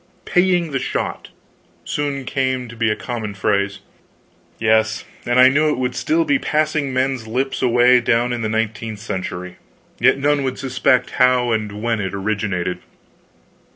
"Paying the shot" soon came to be a common phrase. Yes, and I knew it would still be passing men's lips, away down in the nineteenth century, yet none would suspect how and when it originated.